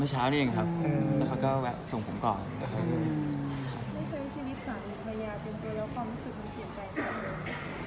ไม่ใช่ชีวิตสาหรัยอยากเป็นตัวเองแล้วความรู้สึกมันเปลี่ยนไปยังไง